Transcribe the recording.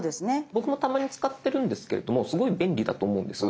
僕もたまに使ってるんですけれどもすごい便利だと思うんです。